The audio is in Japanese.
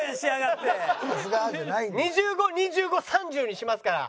２５２５３０にしますから。